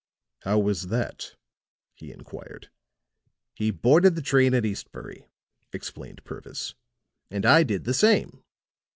"How was that?" he inquired. "He boarded the train at Eastbury," explained Purvis, "and I did the same.